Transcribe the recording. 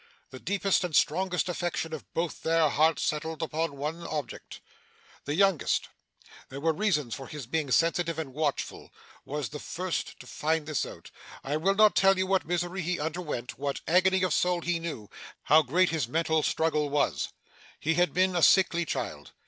The deepest and strongest affection of both their hearts settled upon one object. 'The youngest there were reasons for his being sensitive and watchful was the first to find this out. I will not tell you what misery he underwent, what agony of soul he knew, how great his mental struggle was. He had been a sickly child.